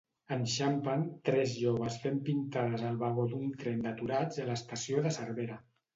Enxampen tres joves fent pintades al vagó d'un tren d'aturats a l'estació de Cervera.